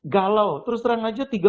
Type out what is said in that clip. galau terus terang aja